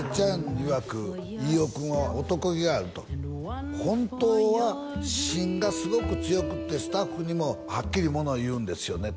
いわく飯尾君は男気があると本当は芯がすごく強くってスタッフにもはっきり物言うんですよね